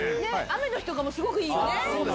雨の日もすごくいいよね。